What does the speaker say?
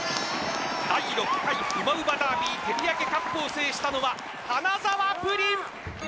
第６回うまうまダービー手土産カップを制したのは花澤プリン！